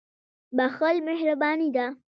• بخښل مهرباني ده.